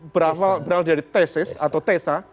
berasal dari tesis atau tesa